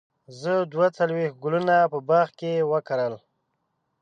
زه دوه څلوېښت ګلونه په باغ کې وکرل.